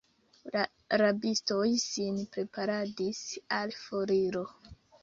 La rabistoj sin preparadis al foriro.